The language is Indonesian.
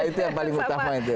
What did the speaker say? itu yang paling utama itu